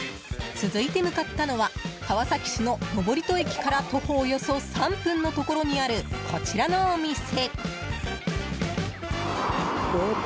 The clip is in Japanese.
続いて向かったのは川崎市の登戸駅から徒歩およそ３分のところにあるこちらのお店。